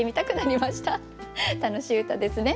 楽しい歌ですね。